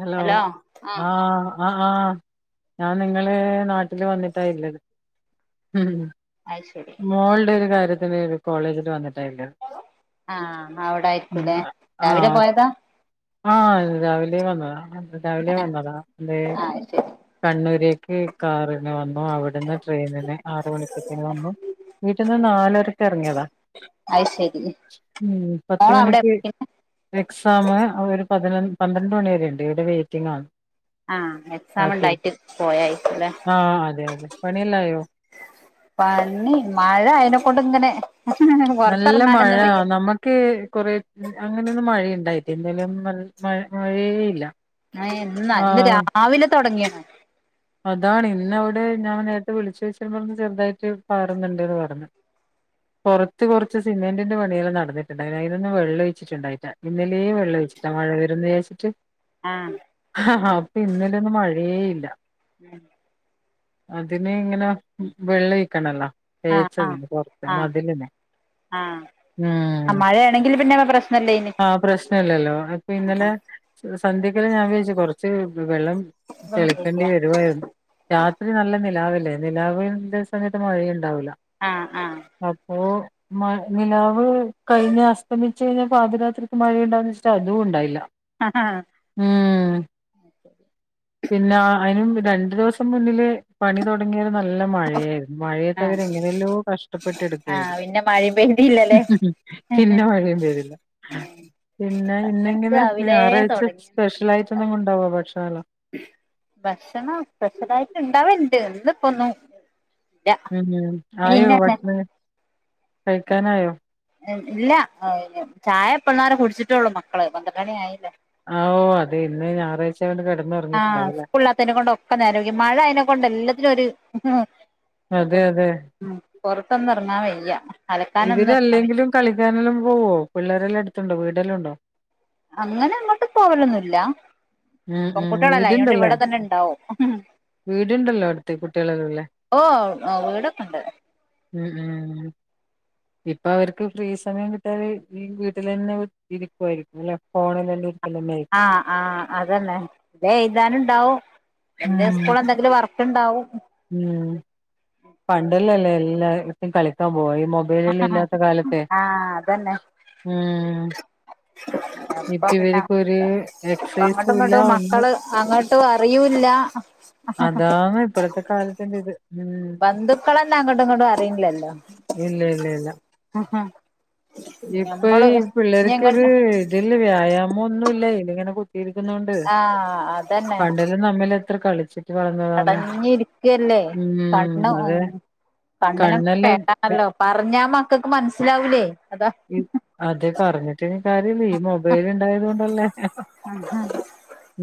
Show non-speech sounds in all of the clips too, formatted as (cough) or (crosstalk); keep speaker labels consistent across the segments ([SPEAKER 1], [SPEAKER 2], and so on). [SPEAKER 1] Hello
[SPEAKER 2] ആഹ് ആഹ്
[SPEAKER 1] ആഹ ആഹ് ഞാൻ നിങ്ങള് നാട്ടില് വന്നിട്ടായില്ലത്
[SPEAKER 2] അത് ശരി
[SPEAKER 1] മോളുടെ ഒരു കാര്യത്തിന് കോളേജിൽ വന്നിണ്ട്
[SPEAKER 2] ആഹ് അവിടായിരിക്കൂല്ലേ രാവിലെ
[SPEAKER 1] ആഹ്
[SPEAKER 2] പോയതാ
[SPEAKER 1] ആഹ രാവിലെ വന്നതാ രാവിലെ വന്നതാ എ
[SPEAKER 2] ആഹ് ശരി
[SPEAKER 1] കണ്ണൂരെ കാറിന് വന്നു അവിടുന്ന് ട്രെയിനിന് ആറ് മണിക്ക എത്തും വന്നു വീട്ടന്ന് നാലരക്ക് ഇറങ്ങിയതാ
[SPEAKER 2] അത് ശരി
[SPEAKER 1] ഉ പത്തു
[SPEAKER 2] മോള് അവിടെ
[SPEAKER 1] മണിക്ക്
[SPEAKER 2] പിന്നെ
[SPEAKER 1] എക്സാം ഒരു പതിന പന്ത്രണ്ട് മണിവരെ ഉണ്ട് ഇവിടെ വെയിറ്റിംഗ ആണ്
[SPEAKER 2] ആഹ് എക്സാം
[SPEAKER 1] ആരി
[SPEAKER 2] ഉണ്ടായിട്ട് പോയായിരിക്കുംല്ലേ
[SPEAKER 1] ആഹ അതെ അതെ പണിയല്ലായോ
[SPEAKER 2] പണി മഴ അയിതിനെക്കൊണ്ട് ഇങ്ങനെ
[SPEAKER 1] നല്ല മഴ
[SPEAKER 2] പൊറത്തിറങ്ങാനൊന്നും വയ്യ
[SPEAKER 1] നമ്മുക്ക് കൊറെ അങ്ങനെൊന്ന മഴയുണ്ടായിട്ട ഇന്നലെയൊന്നും മഴേയില്ല
[SPEAKER 2] ആ എന്നാ ഇന്ന് രാവിലെ തുടങ്ങിയാണ്
[SPEAKER 1] അതാണ് ഇന്ന അവിടെ ഞാൻ നേരടത്തെ വിളിച്ച ചോദിച്ചപ്പോ പറഞ്ഞ് ചെറുതായിട്ട് പറുന്നുണ്ട്ന്ന് പറഞ്ഞഞ് പുറത്ത് കുറച്ച് സിമെന്റിന്റെ പണിയെല്ലാം നടന്നിട്ടുണ്ടായി അതിനൊന്നന്ന് വെള്ളം ഒഴിച്ചിട്ടുണ്ടായിട്ടാ ഇന്നലെ വെള്ള മഴ വരന്ന് വിചാരിച്ചിട്ട്
[SPEAKER 2] ആഹ്
[SPEAKER 1] അപ്പൊ ഇന്നലൊന്നും മഴയേ ഇല്ല
[SPEAKER 2] ഉം
[SPEAKER 1] അതിനെ ഇങ്ങനെ വെള്ളം ഓഴി യിക്കണല്ലോ
[SPEAKER 2] ആഹ് ആഹ്
[SPEAKER 1] തേച്ചതിന്നെ കുറച്ച
[SPEAKER 2] ആഹ്
[SPEAKER 1] മതിലന്നെ
[SPEAKER 2] ആഹ് ആഹ്
[SPEAKER 1] ഉം
[SPEAKER 2] മഴയാണെങ്കിൽ പിന്നെ പ്രശ്നല്ലേനി
[SPEAKER 1] ആഹ പ്രശ്നല്ലല്ലോ അപ്പൊ
[SPEAKER 2] ആഹ്
[SPEAKER 1] ഇന്നലെ
[SPEAKER 2] ആഹ്
[SPEAKER 1] സന്ധ്യക്കല്ല ഞാൻ വിചാരിച്ചു കുറച്ച് വെള്ളം
[SPEAKER 2] ഇതൊന്ന് പോയിക്ക
[SPEAKER 1] തെളിക്കേണ്ടി വരും രാത്രി നല്ല നിലാവില്ലേ നിലാവന്റെ സമയത്ത് മഴയുണ്ടാവല്ലോ
[SPEAKER 2] ആഹ ആഹ
[SPEAKER 1] മ നിലാവ് കഴിഞ്ഞ് അസ്തമിച്ചു കഴിഞ്ഞ പാതിരാത്രിക്ക് മഴയുണ്ടാന്ന് വെച്ചാൽ അതും ഉണ്ടായില്ല
[SPEAKER 2] ആഹ്
[SPEAKER 1] ഉം പിന്നെ അതിനും രണ്ടു ദിവസം മുന്നില് പണി തുടങ്ങിയ നല്ല നല്ല മഴയായിരുന്നു മഴയത്ത് അവരെ എങ്ങനെല്ലോ കഷ്ടപ്പെട്ടെ
[SPEAKER 2] ആഹ്
[SPEAKER 1] ടുക്കയാരുന്നു
[SPEAKER 2] പിന്നെ മഴയും പെയ്തില്ലല്ലേ
[SPEAKER 1] ചിന്ന മഴയും പെയ്തില്ല പിന്നെ ഇന്നെങ്ങനെ
[SPEAKER 2] രാവിലെ
[SPEAKER 1] ഞായറാഴ്ച
[SPEAKER 2] തൊടങ്ങി
[SPEAKER 1] സ്പെഷ്യൽ ആയിട്ട് എന്തെങ്കിലും ഉണ്ടാവോ ഭക്ഷണ
[SPEAKER 2] ഭക്ഷണം സ്പെഷ്യലായിട്ട് ഇണ്ടാവി ണ്ട് ഇന്നിപ്പൊന്നും
[SPEAKER 1] ഉ ആയോ ഭക്ഷണം കഴിക്കാനായോ
[SPEAKER 2] ഇല്ല ചായ എപ്പള്ളന്നാരെ കുടിച്ചിട്ടു ള്ളൂ മക്കളെ പന്ത്രണ്ടണി ആയില്ല
[SPEAKER 1] ആവോ അതെ ഇന്ന് ഞാറാഴ്ച്ച
[SPEAKER 2] ആ സ്കൂളിനാകാത്തേനെകൊണ്ടൊക്കെ നേരായി മഴ അതിനെ കൊണ്ട് എല്ലാത്തിനും ഒരു
[SPEAKER 1] അതെ അതെ
[SPEAKER 2] പോറത്തോന്നെറങ്ങാൻ വയ്യ അലക്കാനൊന്നും എറങ്ങാൻ വയ്യ
[SPEAKER 1] ഇവരല്ലെങ്കിലും കളിക്കാനെല്ലാം പോവോ പിള്ളേരെല്ലാം അ ടുത്തുണ്ടോ വീടെല്ലാം ഉണ്ടോ
[SPEAKER 2] അങ്ങനെ അങ്ങോട്ട് പോവലൊന്നുമല്ല
[SPEAKER 1] ഉം ഉം
[SPEAKER 2] പെങ്കുട്ടികളല്ലേ അയോണ്ടെ
[SPEAKER 1] വീടുണ്ടല്ലേ
[SPEAKER 2] ഇവിടെ തന്നുണ്ടാവും
[SPEAKER 1] വീടുണ്ടല്ലോ അടുത്ത് കുട്ടികളെല്ലാം ഇല്ലേ
[SPEAKER 2] ഓ വീടൊക്കൊണ്ട്
[SPEAKER 1] ഉം ഉം ഉ ഇപ്പൊ അവർക്ക് ഫ്രീ സമയം കിട്ടാല് ഈ വീട്ടിൽ തന്നെ ഇരിക്കുവായിരിക്കും അല്ലെ ഫോണലല്ലേ
[SPEAKER 2] ആ ആ അതല്ലേ ഇതെ എഴുതാനു ണ്ടാവും എന്റെ
[SPEAKER 1] ഉം
[SPEAKER 2] സ്കൂൾ എന്തെങ്കിലും വർക്ക് ട്ടുണ്ടാവും
[SPEAKER 1] ഉം പണ്ടല്ലല്ലേ എല്ലാടിത്തും കളിക്കാൻ പോയി ഈ മൊബൈൽ വെളീൽ
[SPEAKER 2] ആഹ്
[SPEAKER 1] ഇല്ലാത്ത കാലത്തെ ഉം
[SPEAKER 2] അ (unintelligible)
[SPEAKER 1] ഇപ്പ
[SPEAKER 2] അപ്പ പിന്നെ
[SPEAKER 1] ഇവർക്ക് ഒരു
[SPEAKER 2] അങ്ങോട്ടും
[SPEAKER 1] എക്സസൈസും ഇല്ല
[SPEAKER 2] ഇങ്ങോട്ടും
[SPEAKER 1] ഒന്നും
[SPEAKER 2] മക്കളെ അങ്ങോട്ടും അറിയൂല്ല
[SPEAKER 1] അതാാണ് ഇപ്പഴത്തെ കാലത്തിന്റെ ഇത് ഉം
[SPEAKER 2] ബന്ധുക്കളന്നെ അങ്ങോട്ടും ഇങ്ങോട്ടും അറിയുന്നില്ലല്ലോ
[SPEAKER 1] ഇപ്പയീ
[SPEAKER 2] ഞങ്ങൾ
[SPEAKER 1] പിള്ളേർക്കൊരു ഇതിലെ വ്യായാമം ഒന്നൂല്ല ഇതിങ്ങനെ കുത്തിയിരിക്കുന്നോണ്ടെ
[SPEAKER 2] ആഹ്
[SPEAKER 1] പണ്ടല്ലാം തളെത്ര കളിച്ചി
[SPEAKER 2] അടഞ്ഞിരിക്കയല്ലേ
[SPEAKER 1] ഉം
[SPEAKER 2] കണ്ണു ഊ
[SPEAKER 1] അതെ
[SPEAKER 2] കണ്ണനും
[SPEAKER 1] കണ്ണെല്ലാം ഇ-
[SPEAKER 2] കേട്ടാനല്ലോ പറഞ്ഞാ മക്കക്ക് മനസ്സിലാവൂലേ അതാ
[SPEAKER 1] അതെ പറഞ്ഞിട്ടിനി കാര്യമില്ല ഈ മൊബൈല (unintelligible)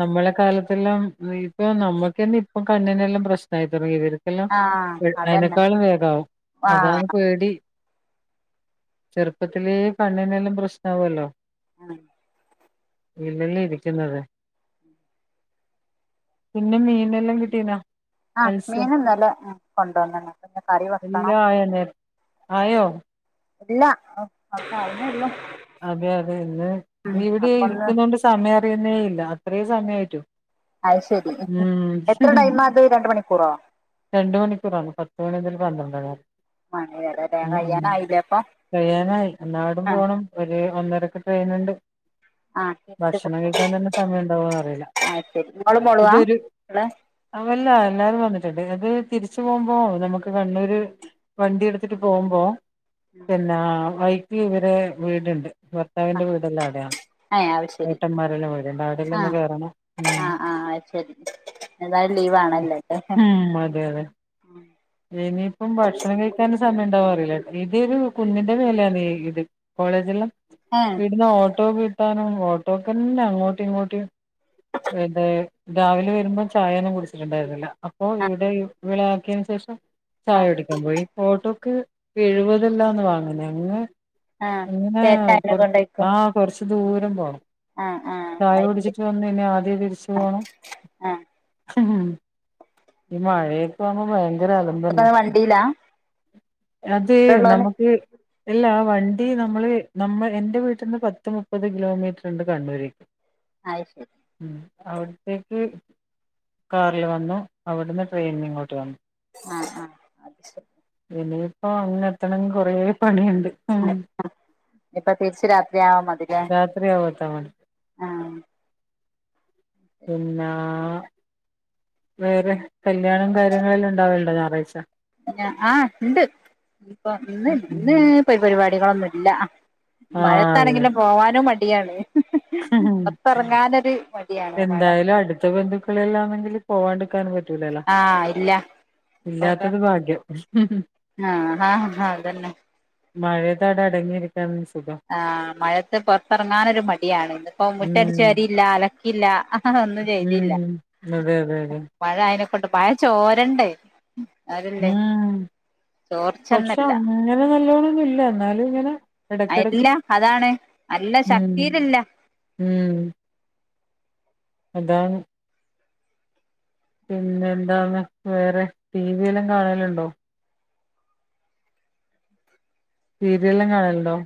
[SPEAKER 1] നമ്മള കാലം എല്ലാം ഇപ്പൊ നമ്മക്കന്നെ ഇപ്പം കണ്ണിനെല്ലാം പ്രശ്നായി തുടങ്ങി വരെ എല്ലാം
[SPEAKER 2] ആഹ് അതന്നെ
[SPEAKER 1] അതിനെക്കാളും വേഗാവും അതാണ്
[SPEAKER 2] ആഹ്
[SPEAKER 1] പേടി ചെറുപ്പത്തിലേ കണ്ണിനെല്ലാം പ്രശ്നാ വുമല്ലോ
[SPEAKER 2] ഉം
[SPEAKER 1] ഇവളെ ഇരിക്കുന്നുന്നത് പിന്നെ മീനെല്ലാം കിട്ടീനാ
[SPEAKER 2] ആ
[SPEAKER 1] മത്സ്യ
[SPEAKER 2] മീനിന്നലെ കൊണ്ടുവന്നനു പിന്നെ കറി വെക്കണം
[SPEAKER 1] എല്ലാം ആയോ നേ ആയോ
[SPEAKER 2] ഇല്ല ആകുന്നെയുള്ളൂ
[SPEAKER 1] അതെ അതെ ഇന്ന് ഇവിടെ
[SPEAKER 2] അപ്പൊന്ന്
[SPEAKER 1] ഇരിക്കുന്നോണ്ട് സമയം അറിയുന്നേ ഇല്ല അത്രയും സമായിട്ടും
[SPEAKER 2] അയി ശരി എത്ര ടൈമാത് രണ്ടു മണിക്കൂറോ
[SPEAKER 1] രണ്ടു മണിക്കൂറാണെ പത്തു മണി മുതൽ പന്ത്രണ്ടര രെ
[SPEAKER 2] മണിവരെ ല്ലേ
[SPEAKER 1] ഉ ഉ
[SPEAKER 2] കഴിയാനായില്ലേ അപ്പൊ
[SPEAKER 1] കയ്യാനായി എന്നാടും
[SPEAKER 2] ആഹ്
[SPEAKER 1] പോണം ഒന്നരക്കെ ട്രെയിൻ ഉണ്ട്
[SPEAKER 2] ആഹ് തിരിച്ച്
[SPEAKER 1] ഭക്ഷണം
[SPEAKER 2] കൊണ്ടോ
[SPEAKER 1] കഴിക്കാൻ തന്നെ സമയം ഉണ്ടാവോന്ന് അറിയില്ല
[SPEAKER 2] അത് ശരി ഇങ്ങളും മോളുവാ
[SPEAKER 1] ഇതൊരു
[SPEAKER 2] ഇങ്ങള്
[SPEAKER 1] അവല്ല എല്ലരും വന്നിട്ടുണ്ട് അത് തിരിച്ചു പോകുമ്പോ നമുക്ക് കണ്ണൂര് വണ്ടി എടുത്തിട്ട് പോകുമ്പോ പിന്നെ വൈക്കി ഇവരെ വീടുണ്ട് ഭർത്താവിന്റെ വീടെല്ലാം അടെയാണ്
[SPEAKER 2] ഏഹ് അത് ശരി
[SPEAKER 1] ഏട്ടന്മാരെല്ലാം വരണ്ടെ അവിടെല്ലാം ഒന്നു
[SPEAKER 2] ആഹ്
[SPEAKER 1] കേറണം ഉം
[SPEAKER 2] ആഹ് ആഹ് അത് ശരി ഏതായാലും ലീവാണല്ലോ ല്ലേ
[SPEAKER 1] ഉ അതെ അതെ ഇനിപ്പം ഭക്ഷണം കഴിക്കാൻ സമയോണ്ടാവു അറിയില്ല ഇതൊരു കുന്നിന്റെ മേലെയാണ് ഇത് കോളേജെല്ലാം
[SPEAKER 2] ഏഹ്
[SPEAKER 1] വീട്ടിന്ന് ഓട്ടോ കിട്ടാനും ഓട്ടോക്കെന്നെ അങ്ങോട്ടും ഇങ്ങോട്ടും പിന്നെ രാവിലെ വരുമ്പോ ചായയന്നും കുടിച്ചിട്ടുണ്ടായിരുന്നില്ല അപ്പോ
[SPEAKER 2] ആഹ്
[SPEAKER 1] ഇവിടെ ഇവളെയാക്കിയന് ശേഷം ചായ
[SPEAKER 2] ആഹ്
[SPEAKER 1] കുടിക്കാൻ പോയി ഓട്ടോ ക്ക് എഴുപതല്ലാന്ന് വാങ്ങ് അങ്ങ്
[SPEAKER 2] ആഹ്
[SPEAKER 1] ഇങ്ങനെ
[SPEAKER 2] ചേട്ടനെ
[SPEAKER 1] കൊറ
[SPEAKER 2] കൊണ്ടോയ്ക്കും
[SPEAKER 1] ആ കൊറച്ച് ദൂരം പോണം
[SPEAKER 2] ആഹ് ആഹ്
[SPEAKER 1] ചായ
[SPEAKER 2] അത് ശരി
[SPEAKER 1] കുടിച്ചിട്ട് വന്ന് ഇനി ആദ്യേ തിരിച്ച് പോണം
[SPEAKER 2] ആഹ്
[SPEAKER 1] ഉം ഈ മഴയത്തന്ന ഭയ
[SPEAKER 2] ഇപ്പതന്നെവണ്ടിയിലാ
[SPEAKER 1] അത് നമക്ക് ഇല്ലാ വണ്ടി ണ്ടി നമ്മള് നമ്മ എന്റെ വീട്ടിൽന്ന് പത്ത് മുപ്പത് കിലോമീറ്റർ ഉണ്ട് കണ്ണൂര്
[SPEAKER 2] അത്ശരി
[SPEAKER 1] അവിടത്തേക്ക് കാറിൽ വന്നു അവിടുന്ന് ട്രെയിനിൽ ഇങ്ങോട്ട് വന്നു
[SPEAKER 2] ആ ആ അത് ശരി
[SPEAKER 1] ഇനിയിപ്പോ അങ്ങ് എത്തണമെങ്കി കൊറേ പണിയുണ്ട്
[SPEAKER 2] ഞ്ഞിപ്പൊ തിരിച്ച് രാത്രിയാവാമതി ല്ലേ
[SPEAKER 1] രാത്രിയാവും എത്താൻ
[SPEAKER 2] ആ
[SPEAKER 1] പിന്നാ വേറെ കല്യാണം കാര്യങ്ങളെല്ലാം ഉണ്ടാവലുണ്ടോ ഞായറാഴ്ച
[SPEAKER 2] ആ ഉണ്ട് ഇപ്പൊ ഇന്ന് ഇന്ന് പ പരിപാടികളൊന്നും ഇല്ല
[SPEAKER 1] ആഹ് അതെ
[SPEAKER 2] മഴത്താണെങ്കിലും പോവാനും മടിയാണ് പൊറത്തിറങ്ങാനൊരു മടിയാണ് മഴ
[SPEAKER 1] എന്തായാലും
[SPEAKER 2] അങ്ങനെ
[SPEAKER 1] അടുത്ത ബന്ധുക്കളെല്ലാണെങ്കിൽ പോവാണ്ട്
[SPEAKER 2] ആ ഇല്ല ഇപ്പൊക്ക
[SPEAKER 1] ഇല്ലാത്തത് ഭാഗ്യം
[SPEAKER 2] ആ ആഹ് അതന്നെ
[SPEAKER 1] മഴയത്തവിടെ അടങ്ങിയിരിക്കും
[SPEAKER 2] ആ മഴയത്ത് പുറത്തിറങ്ങാനൊരു മടിയാണ് ഇന്നിപ്പോ മുറ്റടിച്ച്
[SPEAKER 1] ഉം
[SPEAKER 2] വാരിയില്ല അലക്കിയില്ല അതൊന്നും ചെയ്തില്ല
[SPEAKER 1] ഉം അതെ അതെ അതെ
[SPEAKER 2] മഴ അയിതിനെക്കൊണ്ട് മഴ ചോരണ്ട
[SPEAKER 1] ഉം പക്ഷെ
[SPEAKER 2] ചോർച്ചന്നല്ല
[SPEAKER 1] അങ്ങനെ നല്ലോണമെന്നുല്ല എന്നാലും ഇങ്ങനെ എടക്കിടക്ക്
[SPEAKER 2] ഇല്ല അതാണ് നല്ല
[SPEAKER 1] ഉം
[SPEAKER 2] ശക്തിയിലില്ല
[SPEAKER 1] ഉം അതാണ് പിന്നെ എന്താന്ന് വേറെ ടി വി യെല്ലാം കാണലുണ്ടോ സീരിയലെല്ലാം കാണലുണ്ടോ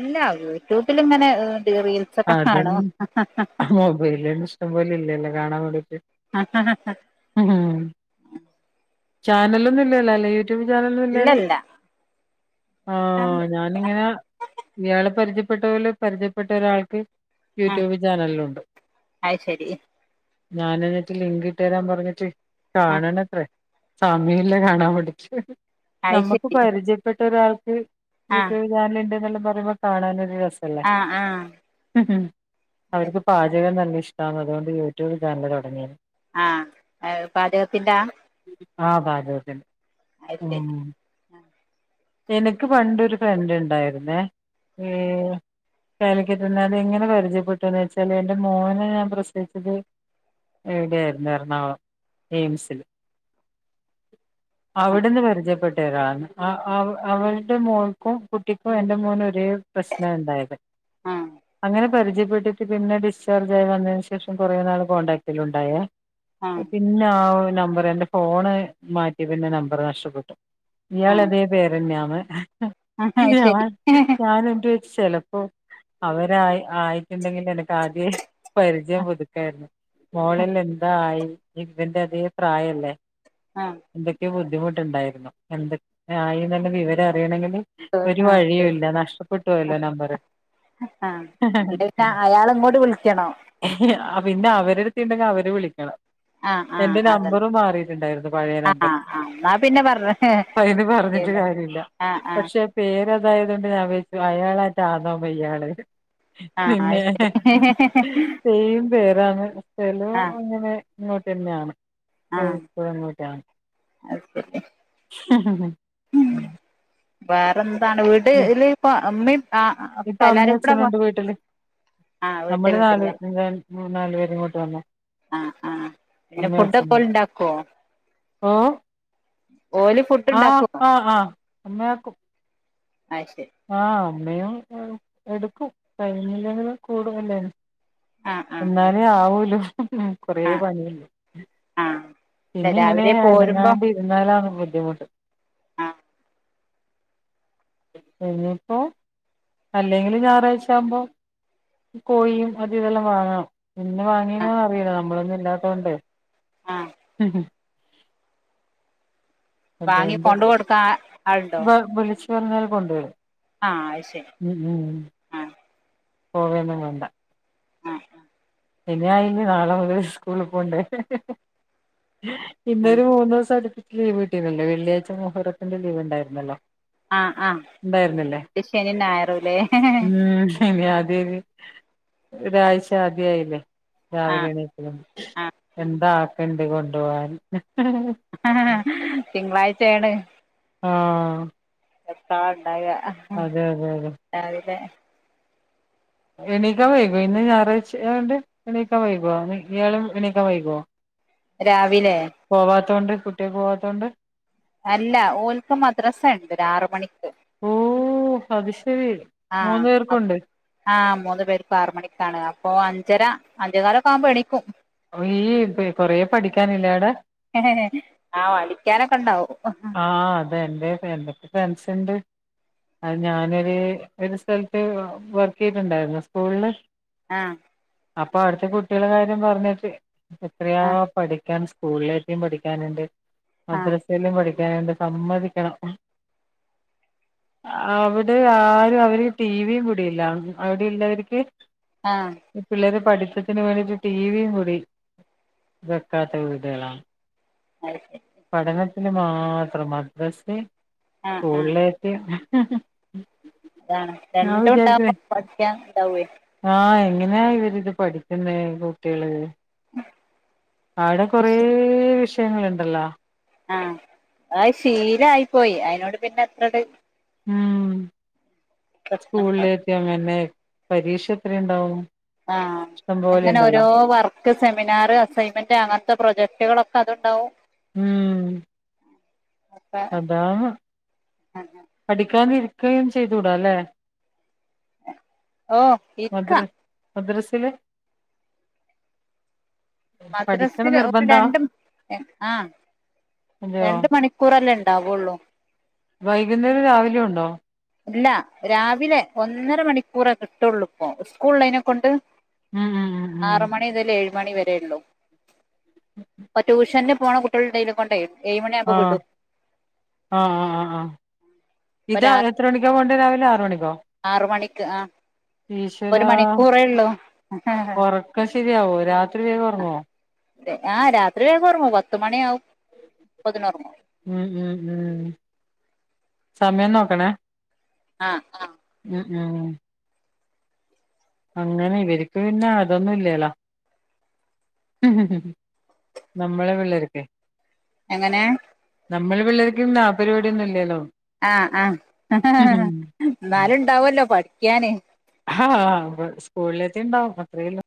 [SPEAKER 2] ഇല്ല യൂട്യൂബില് ഇങ്ങനെ റീൽസ് ഒക്കെ കാണോ
[SPEAKER 1] അതന്നെ മൊബൈലിൽ ഇഷ്ടം പോല ഇല്ലല്ലോ കാണാൻ വേണ്ടിട്ട് ചാനലൊന്നും ഇല്ലല്ലോ അല്ലേ യൂട്യൂബ് ചാനലൊന്നും ഇല്ലല്ലോ
[SPEAKER 2] ഇല്ലല്ല
[SPEAKER 1] ആ ഞാനിങ്ങനെ ഇയാളെ പരിചയ- പ്പെട്ട പോല പരിചയപ്പെട്ട ഒരാൾക്ക്
[SPEAKER 2] ആ
[SPEAKER 1] യൂട്യൂബ് ചാനലുണ്ട്
[SPEAKER 2] അത് ശരി
[SPEAKER 1] ഞാൻ എന്നിട്ട് ലിങ്ക് ഇട്ടു തരാൻ പറഞ്ഞിട്ട്
[SPEAKER 2] ആ
[SPEAKER 1] കാണണ എത്രേ സമയമില്ല കാണാൻ വേണ്ടിയിട്ട്
[SPEAKER 2] അത്
[SPEAKER 1] നമ്മുക്ക്
[SPEAKER 2] ശരി
[SPEAKER 1] പരിചയപ്പെട്ട ഒരാൾക്ക്
[SPEAKER 2] ആ
[SPEAKER 1] യൂട്യൂബ് ചാനലുണ്ടെന്ന് എല്ലാം പറയുമ്പോ കാണാനൊ ഒരു രസം
[SPEAKER 2] ആ ആ
[SPEAKER 1] ഉം അവക്ക് പാചകം തന്നെ ഇഷ്ടാണു അതുകൊണ്ട് യൂട്യൂബ് ചാനല് തുടങ്ങിയ
[SPEAKER 2] ആ പാചകത്തിന്റെ ആ
[SPEAKER 1] ആ പാചകത്തിന്റ
[SPEAKER 2] അത് ശരി ആ
[SPEAKER 1] എനിക്ക് പണ്ടൊരു ഫ്രണ്ട് ഉണ്ടായിരുന്നേ ഉം കാലിക്ക- പിന്നാ ഞാൻ എങ്ങനെ പരിചയപ്പെട്ടുന്ന് വെച്ചാല് എന്റ മോനെ ഞാൻ പ്രസവിച്ചത് ഇവിടെയായിരുന്നു എറണാകുളം എയിംസില്
[SPEAKER 2] (unintelligible)
[SPEAKER 1] അവിടുന്ന് പരിചയപ്പെട്ടു അവരുടെ മോൾക്കും കുട്ടിക്കും എന്റെ മോനും ഒരേ പ്രശ്ന ണ്ടായത്
[SPEAKER 2] ആ
[SPEAKER 1] അങ്ങനെ പരിചയപ്പെട്ടിട്ട് പിന്നെ ഡിസ്ചാർജായി വന്നതിന് ശേഷം കുറേ നാള് കോൺടാക്റ്റിൽ ഉണ്ടായേ
[SPEAKER 2] ആ
[SPEAKER 1] പിന്നെ ആ നമ്പറ് എന്റെ ഫോണ് മാറ്റിയ പ്പൊ പിന്നെ നമ്പറ് നഷ്ടപ്പെട്ടു
[SPEAKER 2] ആ
[SPEAKER 1] ഇയാളെ അതേ പേരന്നെയാണ്
[SPEAKER 2] അത്
[SPEAKER 1] ഞാ
[SPEAKER 2] ശരി
[SPEAKER 1] ൻ ഞാന് എന്റെ ചി ലപ്പോ അവരായി ആയിട്ടുണ്ടെങ്കിൽ എനക്ക് ആദ്യേ പരിചയം പുതുക്കായിരുന്നു മോളിൽ എന്തായി ഇ ഇതിന്റെ അതേ പ്രായല്ലേ
[SPEAKER 2] ആ
[SPEAKER 1] എന്തൊക്കെ ബുദ്ധിമുട്ടുണ്ടായിരുന്നു എന്തൊക്കെ യായി നല്ല വിവരം അറിയണെങ്കില് ഒരു
[SPEAKER 2] ആ ആ
[SPEAKER 1] വഴിയുല്ല നഷ്ടപ്പെട്ടുവല്ലോ നമ്പർ ഹ്
[SPEAKER 2] അല്ല
[SPEAKER 1] ഹ്
[SPEAKER 2] പിന്നെ അയാൾ ഇങ്ങോട്ട് വിളിക്കണോ
[SPEAKER 1] ഹാ (unintelligible) പിന്നെ അവരുടുത്തുണ്ടെങ്കിൽ അവര് വിളിക്കണം
[SPEAKER 2] ആ ആ
[SPEAKER 1] എന്റെ
[SPEAKER 2] അതന്നെ
[SPEAKER 1] നമ്പറും മാറിട്ടുണ്ടായിരുന്നു പയേ
[SPEAKER 2] ആ
[SPEAKER 1] നമ്പർ
[SPEAKER 2] ആ എന്നാ പിന്നെ പറഞ്ഞ
[SPEAKER 1] അയില് പറ ന്നിട്ട് കാര്യമില്ല
[SPEAKER 2] ആ ആ
[SPEAKER 1] പക്ഷെ പേരതായതുക കൊണ്ട് ഞാൻ വിളി ച്ചു അയാളായിട്ട് ആകാം വെയ്യാള്
[SPEAKER 2] ആഹ്
[SPEAKER 1] പിന്നെ
[SPEAKER 2] അത് ശരി
[SPEAKER 1] സെയിം പേര് അതാണ്ലോ
[SPEAKER 2] ആഹ്
[SPEAKER 1] അങ്ങനെ ഇങ്ങോട്ട് തന്നെയാണ്
[SPEAKER 2] ആഹ്
[SPEAKER 1] (unintelligible)
[SPEAKER 2] (unintelligible)
[SPEAKER 1] ഹ ഹഹ
[SPEAKER 2] വേറെന്താണ് വീട്ല് ഇപ്പ ഉമ്മീ ആ എ ല്ലാരും കൂടി
[SPEAKER 1] നമ്മള്നാല് മൂന്നാലു പേരും ഇങ്ങോട്ട് വന്നോ
[SPEAKER 2] ആഹ് ആഹ് പിന്നെഫുഡോക്കെ ഓല് ണ്ടക്കോ
[SPEAKER 1] ഓ
[SPEAKER 2] ഓല്
[SPEAKER 1] ആഹ്
[SPEAKER 2] ഫുഡ്ണ്ടാക്കും
[SPEAKER 1] ആഹ് ആഹ് മാക്കും
[SPEAKER 2] അ യ് ശരി
[SPEAKER 1] സമയോം എടുക്കും ടൈമില്ലെങ്കിൽ കൂടും ല്ലേ
[SPEAKER 2] ആഹ് ആഹ്
[SPEAKER 1] എന്നാലേ ആവൂല്ലൂ കൊറെ
[SPEAKER 2] ആഹ്
[SPEAKER 1] പണിയല്ലേ
[SPEAKER 2] ആഹ് ഇല്ല
[SPEAKER 1] പിന്ന ങ്ങനെ
[SPEAKER 2] രാവിലെ
[SPEAKER 1] അ ന
[SPEAKER 2] പോരുമ്പോ
[SPEAKER 1] ങ്ങാണ്ട ഇരുന്നാലാണ് ബുദ്ധിമുട്ട്
[SPEAKER 2] ആഹ്
[SPEAKER 1] ഇനിപ്പോ അല്ലെങ്കില് ഞായറാഴ്ച ആകുമ്പോ കോഴിയും അതി ഇതെല്ലാം വാങ്ങാം ഇന്ന് വാങ്ങീന
[SPEAKER 2] ആഹ്
[SPEAKER 1] അറിയില്ല നമ്മളൊന്നും ഇല്ലാത്തോണ്ട്
[SPEAKER 2] ആഹ്
[SPEAKER 1] ഹ്ഹ്
[SPEAKER 2] വാങ്ങി
[SPEAKER 1] അതോണ്ട്
[SPEAKER 2] കൊണ്ട് കൊടുക്കാൻ ആളുണ്ടോ
[SPEAKER 1] വിളിച്ചു പറഞ്ഞാൽ കൊണ്ട് വരും
[SPEAKER 2] ആഹ് അത് ശരി ആഹ്
[SPEAKER 1] പോവന്നും വേണ്ട
[SPEAKER 2] ആഹ്
[SPEAKER 1] ഇനായിന് നാളെ മുതൽ സ്കൂള് പോണ്ടേ
[SPEAKER 2] ആഹ്
[SPEAKER 1] ഇന്നൊരു മൂന്ന് ദിവസം അടുപ്പിച്ച് ലീവ് കിട്ടിനല്ലോ വെള്ളിയാഴ്ച മുഹറ ത്തിന്റെ ലീവ് ഉണ്ടായിരുന്നല്ലോ
[SPEAKER 2] ആഹ് ആഹ്
[SPEAKER 1] ഉണ്ടായിരുന്നില്ലേ
[SPEAKER 2] ശനി ഞായറുല്ലേ
[SPEAKER 1] ഉം ശെരിയാ അത് (unintelligible) ഒരാഴ്ച ആദ്യ ആയില്ലേ രാവിലെ
[SPEAKER 2] ആഹ്
[SPEAKER 1] എണീക്കലും
[SPEAKER 2] ആഹ്
[SPEAKER 1] എന്താക്കണ്ട് കൊണ്ടു പോവാൻ
[SPEAKER 2] തിങ്കളാഴ്ചയാണ്
[SPEAKER 1] ആഹ്
[SPEAKER 2] എത്താ ണ്ടായ ആഹ്
[SPEAKER 1] അതെ അതെ അതെ
[SPEAKER 2] രാവിലെ
[SPEAKER 1] എണീക്കാവൈകോ ഇന്ന് ഞായറാഴ്ചആയോണ്ട് എണീക്ക വൈകോ ഇയാളും എണീക്ക വൈകോ
[SPEAKER 2] രാവി -
[SPEAKER 1] പോവാത്തോണ്ട് കുട്ടികക്ക് പോവാത്തോണ്ട്
[SPEAKER 2] അല്ല ഓൽക്ക് മദ്രസണ്ട് ആറ് മണിക്ക്
[SPEAKER 1] ഓ അത് ശെ
[SPEAKER 2] ആഹ് ആഹ് മൂന്ന് പേര് ക്കും ആറ് മണിക്കാണ് അപ്പൊ അഞ്ചര അഞ്ചേ കാലൊക്കെ ആകുമ്പോ എണീക്കും
[SPEAKER 1] ഈ കൊറേ പഠിക്കാനില്ലേ അവ ടെ
[SPEAKER 2] ആഹ് അടിക്കാനൊക്കെ ഉണ്ടാവും
[SPEAKER 1] ആഹ് അതെ എന്റെ എന്തൊക്കെ ഫ്രൻസ് ഉണ്ട്. അത് ഞാനൊരു ഒരു സ്ഥലത്ത് വർക്ക് ചെയ്ന്നുണ്ടായിരുന്നു സ്കൂളില്.
[SPEAKER 2] ആഹ്
[SPEAKER 1] അപ്പൊ അവിടുത്തെ കുട്ടികള കാര്യം പറഞ്ഞിട്ട് എത്രയാ
[SPEAKER 2] ആഹ്
[SPEAKER 1] പഠിക്കാൻ. സ്കൂളിലെയും പഠിക്കാനുണ്ട്
[SPEAKER 2] ആഹ്
[SPEAKER 1] മദ്രസലും പഠിക് നുണ്ട് സമ്മതിക്കണം. അവിടെ ആരും അവര് ടിവിയും വിടിയില്ല അവിടെണ്ടവർക്ക്.
[SPEAKER 2] ആഹ്
[SPEAKER 1] പിള്ളേരെ പഠി... ത്തത്തിന് വേണ്ടിട്ട് ടിവിയും കൂടി വെക്കാത്ത വീടുകളാണ്
[SPEAKER 2] അത് ശരി
[SPEAKER 1] പഠനത്തിന് മാത്രം മദ്രസ്യെ
[SPEAKER 2] ആഹ് ആഹ്
[SPEAKER 1] സ്കൂളിലെതേം
[SPEAKER 2] അതാണ് രണ്ടും ഉണ്ടാവുമ്പോ പഠിക്കൻ ഉണ്ടാവേ.
[SPEAKER 1] ആഹ് എങ്ങനെയാ ഇവരി ഇത് പഠിക്കുന്നെ കുട്ടികള്. അവിടെ കൊറെ വിഷയങ്ങളുണ്ടല്ലോ
[SPEAKER 2] ആഹ് അത് ശീലായി പോയി അതിനോട് പിന്നെ എത്രടെ..
[SPEAKER 1] ഉം സ്കൂളില
[SPEAKER 2] പ്രശ്നംണ്ടാവും
[SPEAKER 1] എത്തിയാെ പിന്നെ പരീക്ഷ എത്രുണ്ടാവും.
[SPEAKER 2] ആ അങ്ങനെ ഓരോ വർക്ക് സെമിനാർ അസൈൻമെന്റ് അങ്ങനത്തെ പ്രൊജക്ടുകളൊ.. അത്ണ്ടാവും
[SPEAKER 1] ഉം
[SPEAKER 2] അപ്പ
[SPEAKER 1] അതാ പഠിക്കാന ഇരിക്കുകയും ചെയ്തൂടാ അല്ലേ.
[SPEAKER 2] ഓ ഇക്ക
[SPEAKER 1] മദ്രസില
[SPEAKER 2] മദ്രസിൽ ഒന്ന് രണ്ടും ആ
[SPEAKER 1] അതെയോ
[SPEAKER 2] രണ്ട് മണിക്കൂറല്ലേ. ഉണ്ടാവുള്ളൂ
[SPEAKER 1] വൈകുന്നേരം രാവിലെയ ഉണ്ടോ?
[SPEAKER 2] ഇല്ല രാവിലെ ഒന്നര മണിക്കൂറ കിട്ടുള്ളൂ ഇപ്പൊ സ്കൂള്ളതിനെ കൊണ്ട്.
[SPEAKER 1] ഉം ഉം ഉം ഉം
[SPEAKER 2] ആറ് മണി മുതൽ ഏഴ് മണി വരേ ഉള്ളൂ പ്പ ട്യൂഷന് പോണ കുട്ടികള് ഉണ്ടായത് കൊണ്ടേ. ഏഴ്
[SPEAKER 1] ആഹ
[SPEAKER 2] മണിയാകുമ്പോ വിടും
[SPEAKER 1] ആഹ ആഹ് ആഹ ആഹ് ഇതാ എത്രമണിക്കാ പോൺ.. ഇരാവിലെ ആറ് മണി.
[SPEAKER 2] ആറ മണിക്ക് ആ.
[SPEAKER 1] ഈശ്വരാ ഉറക്ക ശരിയാകോ രാത്.. ഇത്ര വേഗം ഉറങ്ങൂ?
[SPEAKER 2] ആ രാത്രി വേഗം ഉറങ്ങൂ പത്തുമണി ആവും അപ്പതിന് ഉറങ്ങും.
[SPEAKER 1] ഉം ഉം ഉം സമയം നോക്കണേ?
[SPEAKER 2] ആഹ ആഹ
[SPEAKER 1] ഉ ഉം അങ്ങനെ ഇവർക്ക് പിന്നെ അതൊന്നും ഇല്ലല്ലോ. ഉം ഉംനമ്മളെ പിള്ളേർക്ക്
[SPEAKER 2] എങ്ങനെ
[SPEAKER 1] നമ്മൾ പിള്ളേർക്ക് നാപരിപാടൊന്നും ഇല്ലല്ലോ.
[SPEAKER 2] ആഹ് ആഹ എന്നാലും ഇണ്ടാവല്ലോ പഠിക്കാന്.
[SPEAKER 1] ആഹ സ്കൂളിലത്തി ഉണ്ടാവും അത്രേല്ലോ.